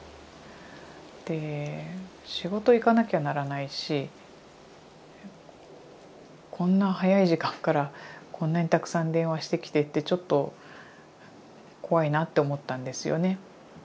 で仕事行かなきゃならないしこんな早い時間からこんなにたくさん電話してきてってちょっと怖いなと思ったんですよね。